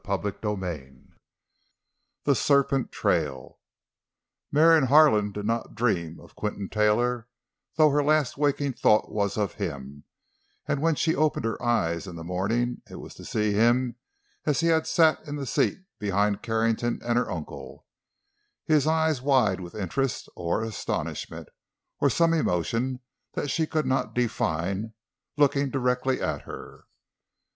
CHAPTER III—THE SERPENT TRAIL Marion Harlan did not dream of Quinton Taylor, though her last waking thought was of him, and when she opened her eyes in the morning it was to see him as he had sat in the seat behind Carrington and her uncle, his eyes wide with interest, or astonishment—or some emotion that she could not define—looking directly at her.